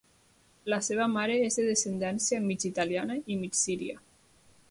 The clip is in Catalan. La seva mare és de descendència mig italiana i mig síria.